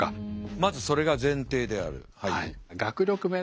まずそれが前提である。